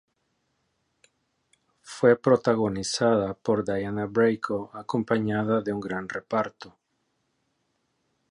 Fue protagonizada por Diana Bracho acompañada de un gran reparto.